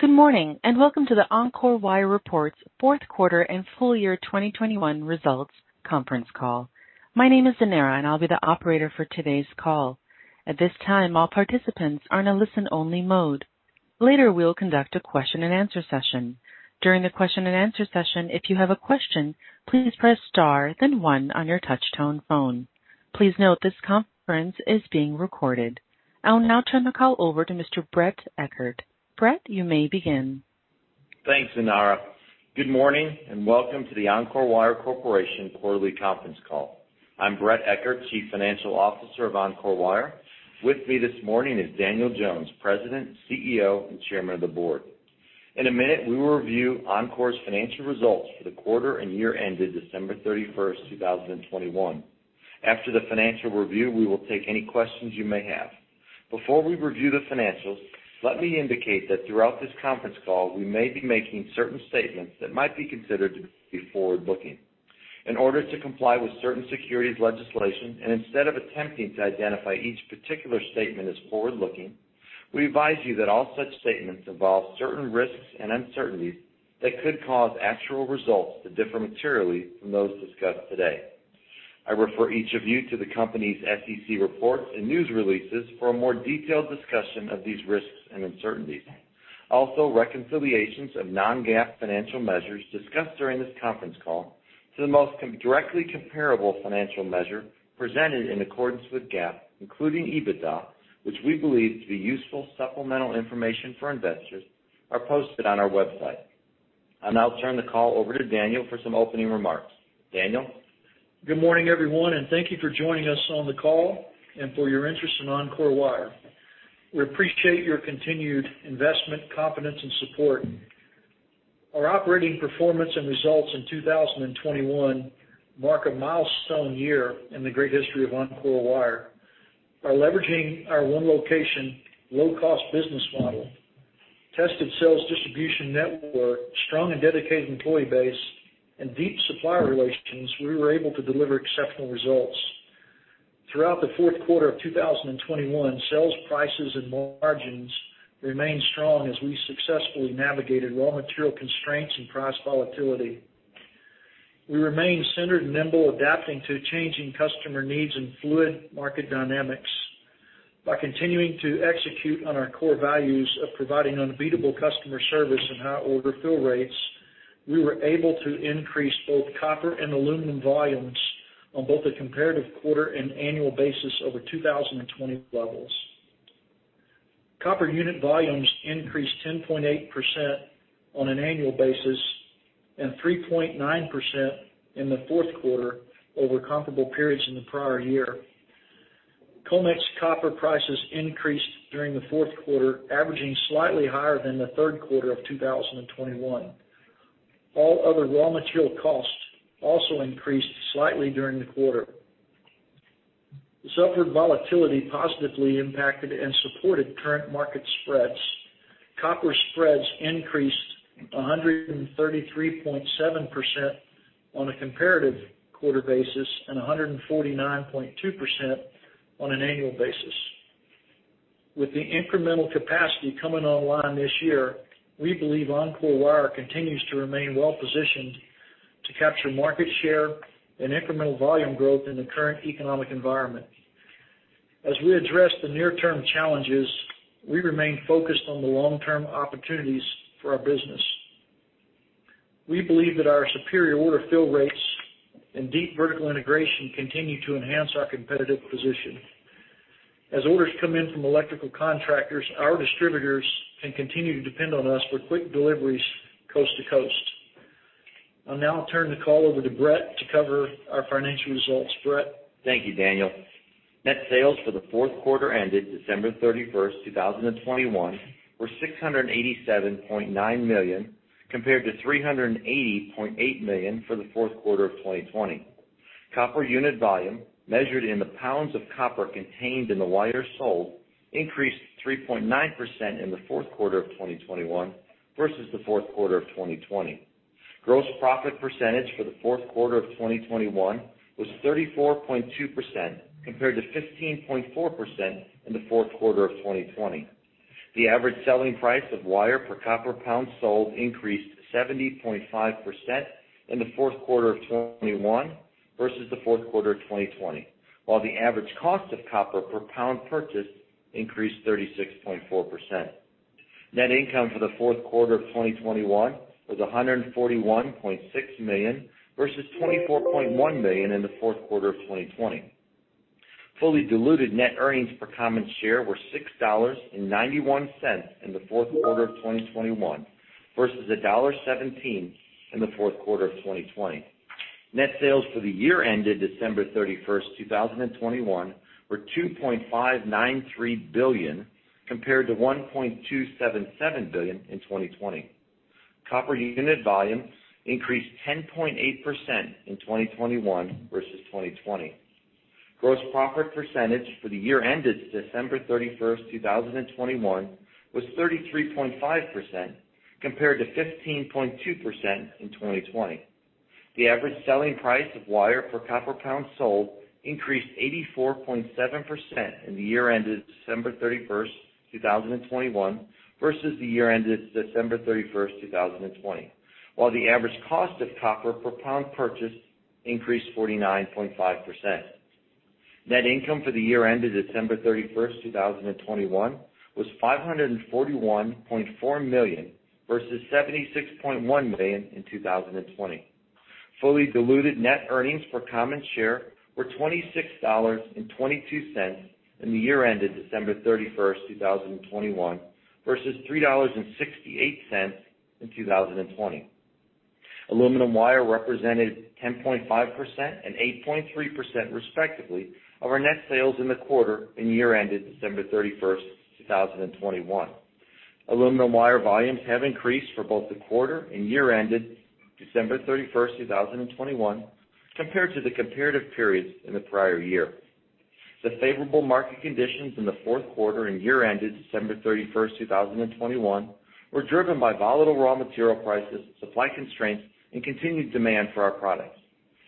Good morning, and welcome to the Encore Wire reports Fourth Quarter and Full Year 2021 Results Conference Call. My name is Zenara, and I'll be the operator for today's call. At this time, all participants are in a listen-only mode. Later, we'll conduct a question-and-answer session. During the question-and-answer session, if you have a question, please press Star, then one on your touchtone phone. Please note this conference is being recorded. I'll now turn the call over to Mr. Bret Eckert. Bret, you may begin. Thanks, Zenara. Good morning, and welcome to the Encore Wire Corporation Quarterly Conference Call. I'm Bret Eckert, Chief Financial Officer of Encore Wire. With me this morning is Daniel Jones, President, CEO, and Chairman of the Board. In a minute, we will review Encore's financial results for the quarter and year ended December 31st, 2021. After the financial review, we will take any questions you may have. Before we review the financials, let me indicate that throughout this conference call we may be making certain statements that might be considered to be forward-looking. In order to comply with certain securities legislation, instead of attempting to identify each particular statement as forward-looking, we advise you that all such statements involve certain risks and uncertainties that could cause actual results to differ materially from those discussed today. I refer each of you to the company's SEC reports and news releases for a more detailed discussion of these risks and uncertainties. Also, reconciliations of non-GAAP financial measures discussed during this conference call to the most directly comparable financial measure presented in accordance with GAAP, including EBITDA, which we believe to be useful supplemental information for investors, are posted on our website. I'll now turn the call over to Daniel for some opening remarks. Daniel. Good morning, everyone, and thank you for joining us on the call and for your interest in Encore Wire. We appreciate your continued investment, confidence, and support. Our operating performance and results in 2021 mark a milestone year in the great history of Encore Wire. By leveraging our one location, low-cost business model, tested sales distribution network, strong and dedicated employee base, and deep supplier relations, we were able to deliver exceptional results. Throughout the fourth quarter of 2021, sales prices and margins remained strong as we successfully navigated raw material constraints and price volatility. We remain centered and nimble, adapting to changing customer needs and fluid market dynamics. By continuing to execute on our core values of providing unbeatable customer service and high order fill rates, we were able to increase both copper and aluminum volumes on both the comparative quarter and annual basis over 2020 levels. Copper unit volumes increased 10.8% on an annual basis and 3.9% in the fourth quarter over comparable periods in the prior year. COMEX copper prices increased during the fourth quarter, averaging slightly higher than the third quarter of 2021. All other raw material costs also increased slightly during the quarter. Sulfur volatility positively impacted and supported current market spreads. Copper spreads increased 133.7% on a comparative quarter basis and 149.2% on an annual basis. With the incremental capacity coming online this year, we believe Encore Wire continues to remain well positioned to capture market share and incremental volume growth in the current economic environment. As we address the near-term challenges, we remain focused on the long-term opportunities for our business. We believe that our superior order fill rates and deep vertical integration continue to enhance our competitive position. As orders come in from electrical contractors, our distributors can continue to depend on us for quick deliveries coast-to-coast. I'll now turn the call over to Bret to cover our financial results. Bret. Thank you, Daniel. Net sales for the fourth quarter ended December 31st, 2021 were $687.9 million, compared to $380.8 million for the fourth quarter of 2020. Copper unit volume measured in the pounds of copper contained in the wire sold increased 3.9% in the fourth quarter of 2021 versus the fourth quarter of 2020. Gross profit percentage for the fourth quarter of 2021 was 34.2% compared to 15.4% in the fourth quarter of 2020. The average selling price of wire per copper pound sold increased 70.5% in the fourth quarter of 2021 versus the fourth quarter of 2020, while the average cost of copper per pound purchased increased 36.4%. Net income for the fourth quarter of 2021 was $141.6 million versus $24.1 million in the fourth quarter of 2020. Fully diluted net earnings per common share were $6.91 in the fourth quarter of 2021 versus $1.17 in the fourth quarter of 2020. Net sales for the year ended December 31st, 2021 were $2.593 billion compared to $1.277 billion in 2020. Copper unit volume increased 10.8% in 2021 versus 2020. Gross profit percentage for the year ended December 31st, 2021 was 33.5% compared to 15.2% in 2020. The average selling price of wire per copper pound sold increased 84.7% in the year ended December 31st, 2021, versus the year ended December 31st, 2020. While the average cost of copper per pound purchased increased 49.5%. Net income for the year ended December 31st, 2021 was $541.4 million versus $76.1 million in 2020. Fully diluted net earnings per common share were $26.22 in the year ended December 31st, 2021 versus $3.68 in 2020. Aluminum wire represented 10.5% and 8.3% respectively of our net sales in the quarter and year ended December 31st, 2021. Aluminum wire volumes have increased for both the quarter and year ended December 31st, 2021 compared to the comparative periods in the prior-year. The favorable market conditions in the fourth quarter and year ended December 31st, 2021 were driven by volatile raw material prices, supply constraints, and continued demand for our products.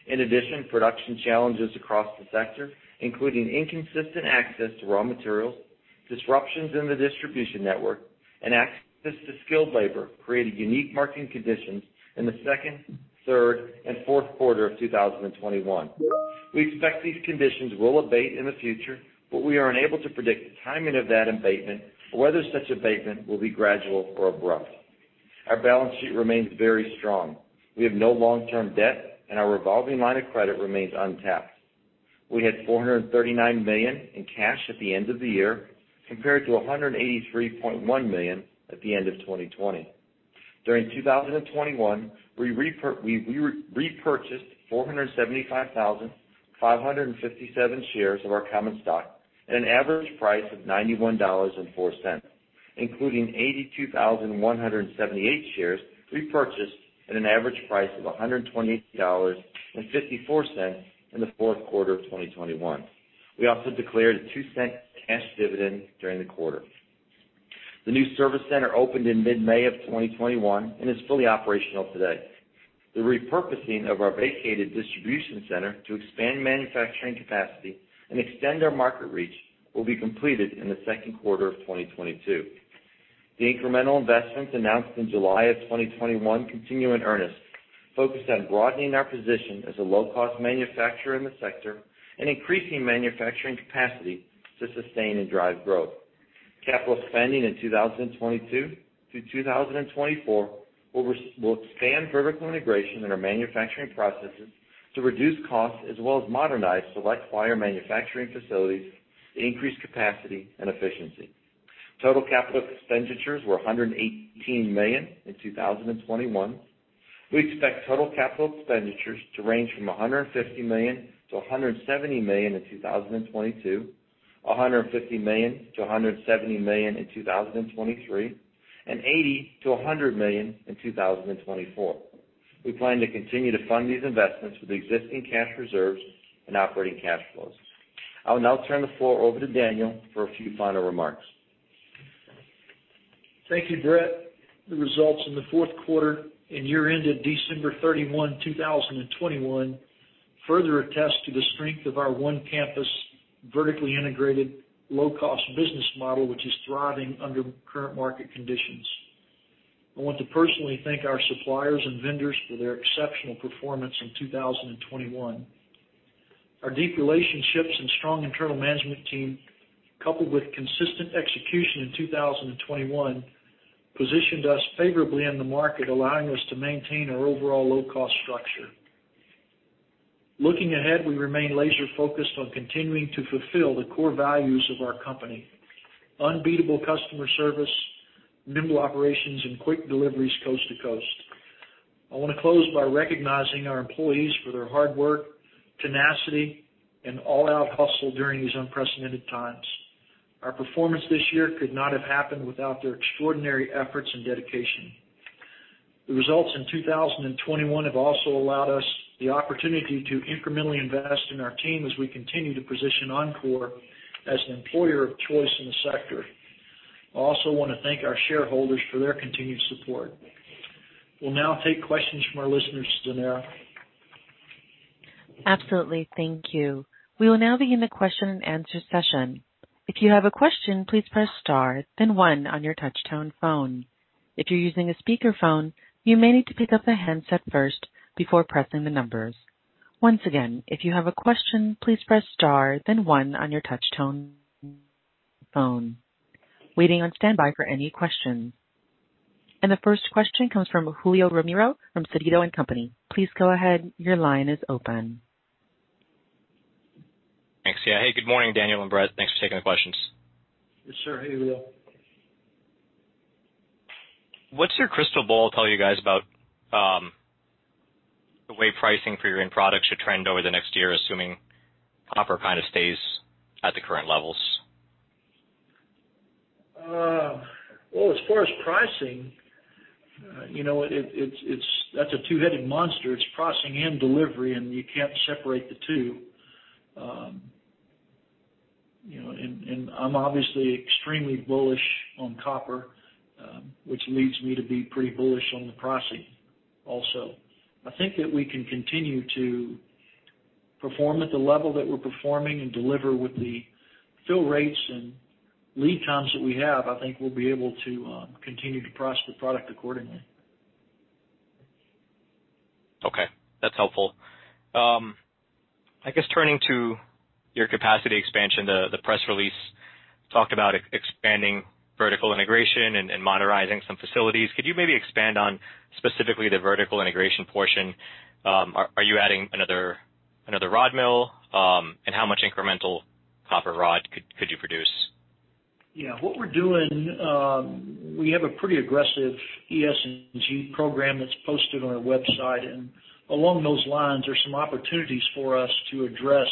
In addition, production challenges across the sector, including inconsistent access to raw materials, disruptions in the distribution network, and access to skilled labor, created unique market conditions in the second, third, and fourth quarter of 2021. We expect these conditions will abate in the future, but we are unable to predict the timing of that abatement or whether such abatement will be gradual or abrupt. Our balance sheet remains very strong. We have no long-term debt, and our revolving line of credit remains untapped. We had $439 million in cash at the end of the year, compared to $183.1 million at the end of 2020. During 2021, we repurchased 475,557 shares of our common stock at an average price of $91.04, including 82,178 shares repurchased at an average price of $128.54 in the fourth quarter of 2021. We also declared a $0.02 cash dividend during the quarter. The new service center opened in mid-May 2021 and is fully operational today. The repurposing of our vacated distribution center to expand manufacturing capacity and extend our market reach will be completed in the second quarter of 2022. The incremental investments announced in July 2021 continue in earnest, focused on broadening our position as a low-cost manufacturer in the sector and increasing manufacturing capacity to sustain and drive growth. Capital spending in 2022 through 2024 will expand vertical integration in our manufacturing processes to reduce costs as well as modernize select wire manufacturing facilities to increase capacity and efficiency. Total capital expenditures were $118 million in 2021. We expect total capital expenditures to range from $150 million-$170 million in 2022, $150 million-$170 million in 2023, and $80 million-$100 million in 2024. We plan to continue to fund these investments with existing cash reserves and operating cash flows. I will now turn the floor over to Daniel for a few final remarks. Thank you, Bret. The results in the fourth quarter and year ended December 31, 2021 further attest to the strength of our one campus, vertically integrated, low cost business model, which is thriving under current market conditions. I want to personally thank our suppliers and vendors for their exceptional performance in 2021. Our deep relationships and strong internal management team, coupled with consistent execution in 2021, positioned us favorably in the market, allowing us to maintain our overall low cost structure. Looking ahead, we remain laser focused on continuing to fulfill the core values of our company. Unbeatable customer service, nimble operations, and quick deliveries coast-to-coast. I want to close by recognizing our employees for their hard work, tenacity, and all out hustle during these unprecedented times. Our performance this year could not have happened without their extraordinary efforts and dedication. The results in 2021 have also allowed us the opportunity to incrementally invest in our team as we continue to position Encore as an employer of choice in the sector. I also want to thank our shareholders for their continued support. We'll now take questions from our listeners, Zenara. Absolutely. Thank you. We will now begin the question-and-answer session. If you have a question, please press star then one on your touch tone phone. If you're using a speaker phone, you may need to pick up the handset first before pressing the numbers. Once again, if you have a question, please press star then one on your touch tone phone. Waiting on standby for any questions. The first question comes from Julio Romero from Sidoti & Company. Please go ahead. Your line is open. Thanks. Yeah. Hey, good morning, Daniel and Bret. Thanks for taking the questions. Yes, sir. Hey, Julio. What's your crystal ball tell you guys about, the way pricing for your end products should trend over the next year, assuming copper kind of stays at the current levels? Well, as far as pricing, you know, that's a two-headed monster. It's pricing and delivery, and you can't separate the two. I'm obviously extremely bullish on copper, which leads me to be pretty bullish on the pricing also. I think that we can continue to perform at the level that we're performing and deliver with the fill rates and lead times that we have. I think we'll be able to continue to price the product accordingly. Okay. That's helpful. I guess turning to your capacity expansion, the press release talked about expanding vertical integration and modernizing some facilities. Could you maybe expand on specifically the vertical integration portion? Are you adding another rod mill? How much incremental copper rod could you produce? Yeah. What we're doing, we have a pretty aggressive ESG program that's posted on our website. Along those lines, there's some opportunities for us to address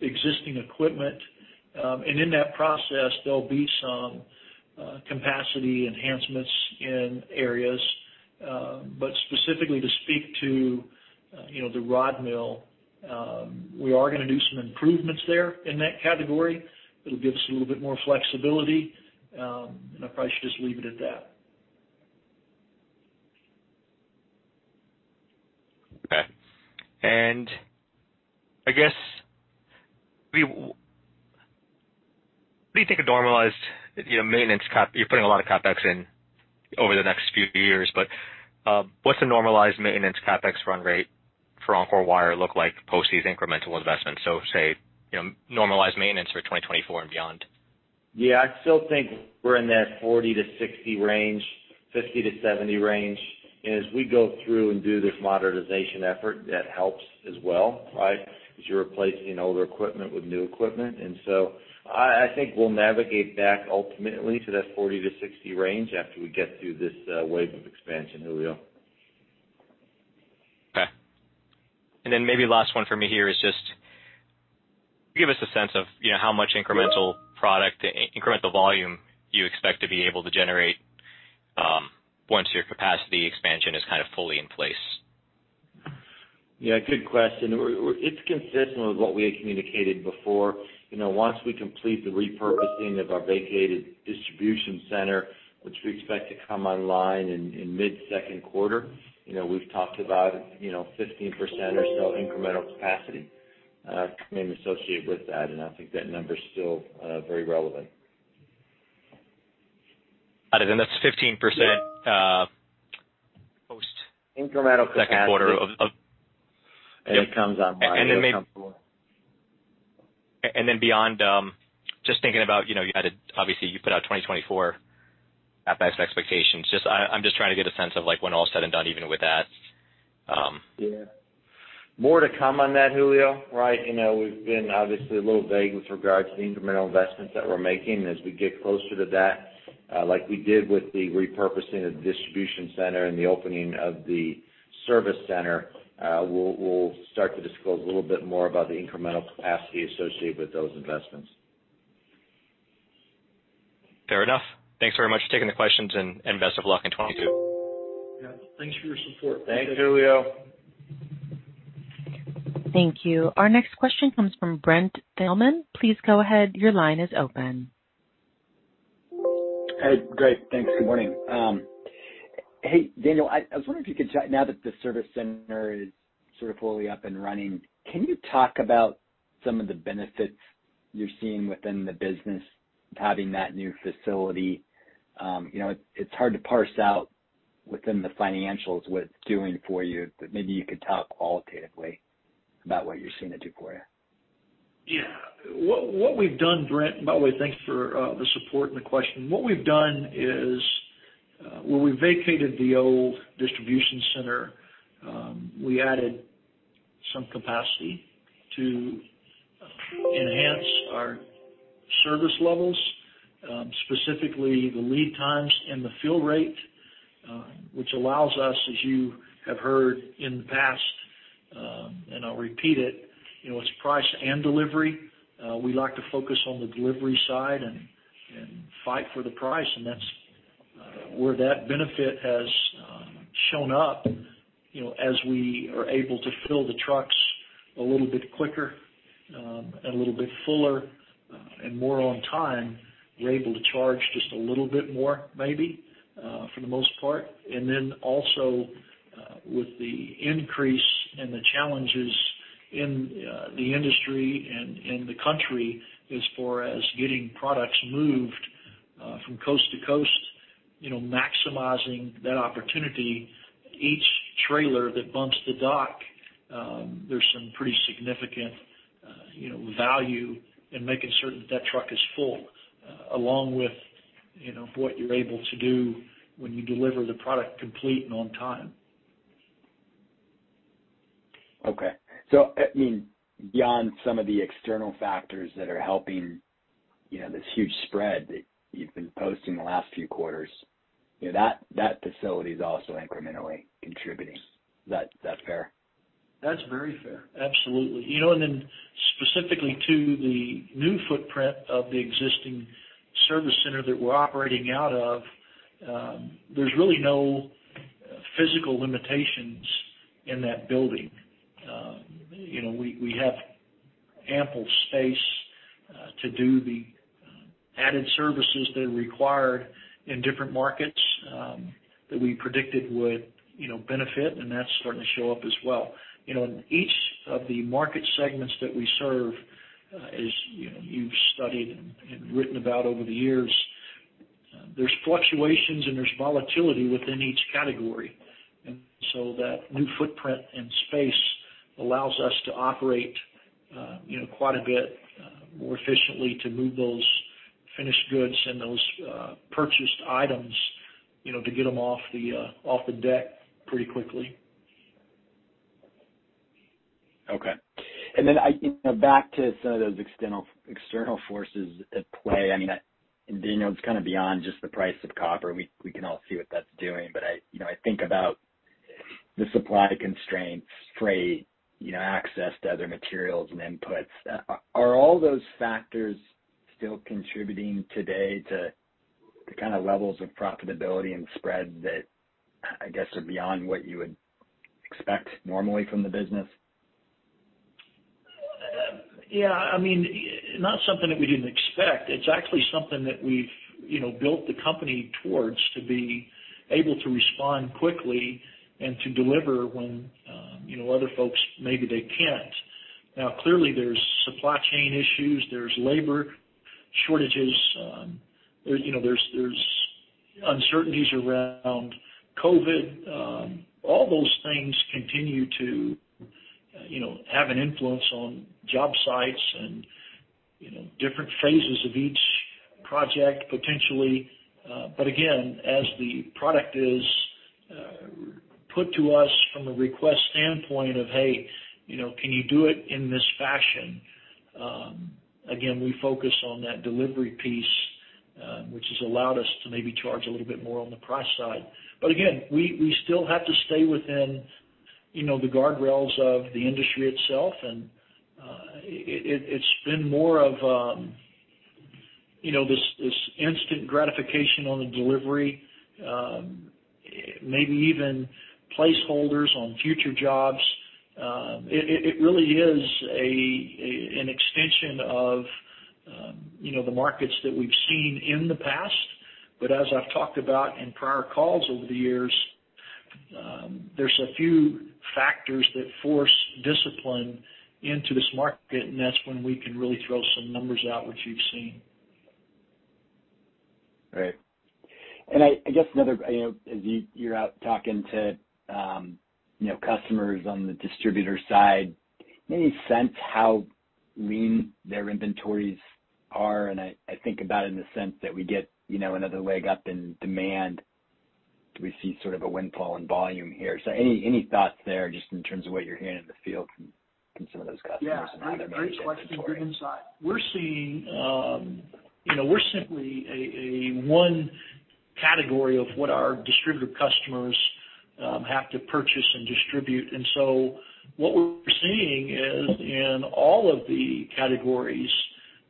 existing equipment. In that process, there'll be some capacity enhancements in areas. But specifically to speak to, you know, the rod mill, we are gonna do some improvements there in that category. It'll give us a little bit more flexibility, and I probably should just leave it at that. What do you think a normalized, you know, maintenance CapEx? You're putting a lot of CapEx in over the next few years, but what's the normalized maintenance CapEx run rate for Encore Wire look like post these incremental investments? Say, you know, normalized maintenance for 2024 and beyond. Yeah. I still think we're in that 40%-60% range, 50%-70% range. As we go through and do this modernization effort, that helps as well, right, as you're replacing older equipment with new equipment. I think we'll navigate back ultimately to that 40%-60% range after we get through this wave of expansion, Julio. Okay. Maybe last one for me here is just give us a sense of, you know, how much incremental product, incremental volume you expect to be able to generate, once your capacity expansion is kind of fully in place. Yeah, good question. It's consistent with what we had communicated before. You know, once we complete the repurposing of our vacated distribution center, which we expect to come online in mid-second quarter, you know, we've talked about, you know, 15% or so incremental capacity, mainly associated with that, and I think that number is still very relevant. Got it. That's 15% post- Incremental capacity. Second quarter of It comes online. And then may- A couple. Beyond, just thinking about, you know, obviously you put out 2024 CapEx expectations. I'm just trying to get a sense of, like, when all is said and done, even with that. Yeah. More to come on that, Julio, right? You know, we've been obviously a little vague with regard to the incremental investments that we're making. As we get closer to that, like we did with the repurposing of the distribution center and the opening of the service center, we'll start to disclose a little bit more about the incremental capacity associated with those investments. Fair enough. Thanks very much for taking the questions, and best of luck in 2022. Yeah. Thanks for your support. Thanks, Julio. Thank you. Our next question comes from Brent Thielman. Please go ahead. Your line is open. Hey. Great. Thanks. Good morning. Hey, Daniel, I was wondering, now that the service center is sort of fully up and running, can you talk about some of the benefits you're seeing within the business having that new facility? You know, it's hard to parse out within the financials what it's doing for you, but maybe you could talk qualitatively about what you're seeing it do for you. What we've done, Brent. By the way, thanks for the support and the question. What we've done is, when we vacated the old distribution center, we added some capacity to enhance our service levels, specifically the lead times and the fill rate, which allows us, as you have heard in the past, and I'll repeat it, you know, it's price and delivery. We like to focus on the delivery side and fight for the price, and that's where that benefit has shown up. You know, as we are able to fill the trucks a little bit quicker, and a little bit fuller, and more on time, we're able to charge just a little bit more maybe, for the most part. With the increase in the challenges in the industry and in the country as far as getting products moved from coast-to-coast, you know, maximizing that opportunity, each trailer that bumps the dock, there's some pretty significant, you know, value in making certain that that truck is full, along with, you know, what you're able to do when you deliver the product complete and on time. Okay. I mean, beyond some of the external factors that are helping, you know, this huge spread that you've been posting the last few quarters, you know, that facility is also incrementally contributing. Is that fair? That's very fair. Absolutely. You know, and then specifically to the new footprint of the existing service center that we're operating out of, there's really no physical limitations in that building. You know, we have ample space to do the added services that are required in different markets that we predicted would, you know, benefit, and that's starting to show up as well. You know, in each of the market segments that we serve, as you know, you've studied and written about over the years, there's fluctuations and there's volatility within each category. That new footprint and space allows us to operate, you know, quite a bit more efficiently to move those finished goods and those purchased items, you know, to get them off the deck pretty quickly. Okay. I, you know, back to some of those external forces at play, I mean, you know, it's kind of beyond just the price of copper. We can all see what that's doing. But I, you know, I think about the supply constraints, freight, you know, access to other materials and inputs. Are all those factors still contributing today to the kind of levels of profitability and spread that, I guess, are beyond what you would expect normally from the business? Yeah, I mean, not something that we didn't expect. It's actually something that we've, you know, built the company towards, to be able to respond quickly and to deliver when, you know, other folks, maybe they can't. Now, clearly, there's supply chain issues. There's labor shortages. You know, there's uncertainties around COVID. All those things continue to, you know, have an influence on job sites and, you know, different phases of each project potentially. Again, as the product is put to us from a request standpoint of, "Hey, you know, can you do it in this fashion?" Again, we focus on that delivery piece, which has allowed us to maybe charge a little bit more on the price side. Again, we still have to stay within, you know, the guardrails of the industry itself. It's been more of, you know, this instant gratification on the delivery, maybe even placeholders on future jobs. It really is an extension of, you know, the markets that we've seen in the past. As I've talked about in prior calls over the years, there's a few factors that force discipline into this market, and that's when we can really throw some numbers out, which you've seen. Right. I guess another. You know, as you're out talking to, you know, customers on the distributor side, any sense how lean their inventories are? I think about it in the sense that we get, you know, another leg up in demand. Do we see sort of a windfall in volume here? Any thoughts there just in terms of what you're hearing in the field from some of those customers? Yeah. How they're managing inventory? Great question. Great insight. We're seeing. You know, we're simply a one category of what our distributor customers have to purchase and distribute. What we're seeing is in all of the categories,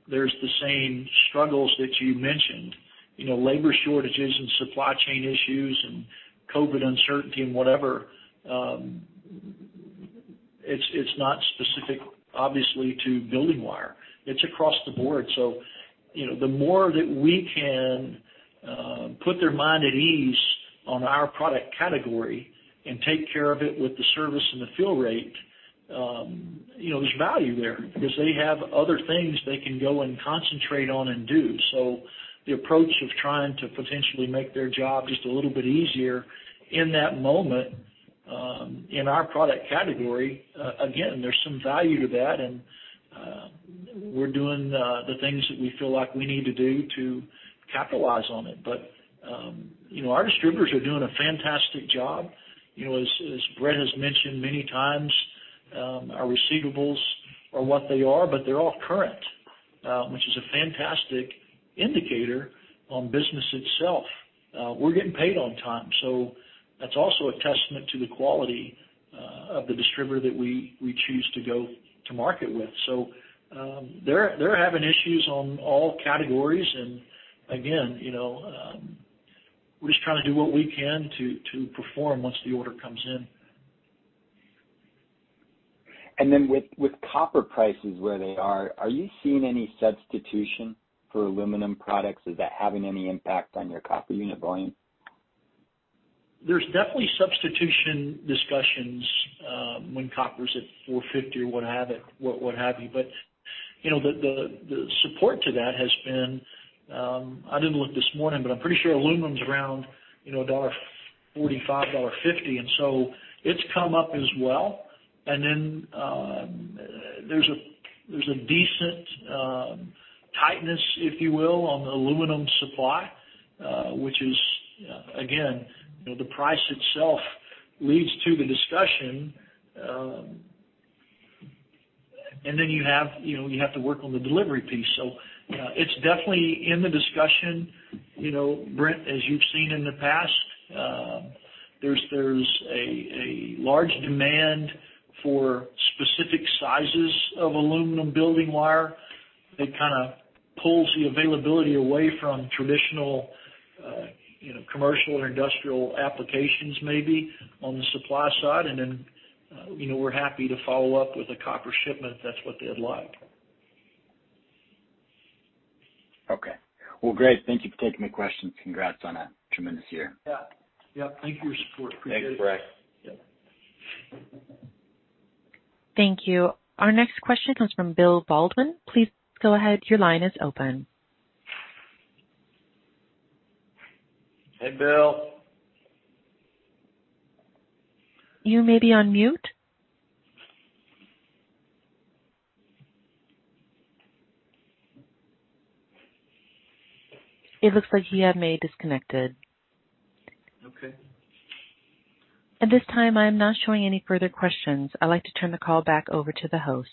there's the same struggles that you mentioned, you know, labor shortages and supply chain issues and COVID uncertainty and whatever. It's not specific, obviously, to building wire. It's across the board. You know, the more that we can put their mind at ease on our product category and take care of it with the service and the fill rate, you know, there's value there because they have other things they can go and concentrate on and do. The approach of trying to potentially make their job just a little bit easier in that moment, in our product category, again, there's some value to that. We're doing the things that we feel like we need to do to capitalize on it. You know, our distributors are doing a fantastic job. You know, as Bret has mentioned many times, our receivables are what they are, but they're all current, which is a fantastic indicator on business itself. We're getting paid on time, that's also a testament to the quality of the distributor that we choose to go to market with. They're having issues on all categories. Again, you know, we're just trying to do what we can to perform once the order comes in. With copper prices where they are you seeing any substitution for aluminum products? Is that having any impact on your copper unit volume? There's definitely substitution discussions, when copper's at $4.50 or what have you. You know, the support to that has been. I didn't look this morning, but I'm pretty sure aluminum's around, you know, $1.45-$1.50, and so it's come up as well. Then, there's a decent tightness, if you will, on the aluminum supply, which is, again, you know, the price itself leads to the discussion. Then you have, you know, to work on the delivery piece. It's definitely in the discussion. You know, Brent, as you've seen in the past, there's a large demand for specific sizes of aluminum building wire that kind of pulls the availability away from traditional, you know, commercial or industrial applications maybe on the supply side. You know, we're happy to follow up with a copper shipment if that's what they'd like. Okay. Well, great. Thank you for taking my questions. Congrats on a tremendous year. Yeah. Yeah. Thank you for your support. Appreciate it. Thanks, Brent. Yeah. Thank you. Our next question comes from Bill Baldwin. Please go ahead. Your line is open. Hey, Bill. You may be on mute. It looks like he may have disconnected. Okay. At this time, I am not showing any further questions. I'd like to turn the call back over to the host.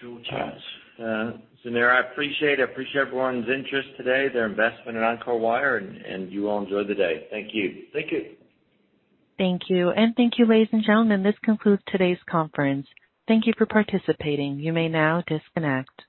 Sure. Yes. Zenara, I appreciate it. I appreciate everyone's interest today, their investment in Encore Wire, and you all enjoy the day. Thank you. Thank you. Thank you. Thank you, ladies and gentlemen. This concludes today's conference. Thank you for participating. You may now disconnect.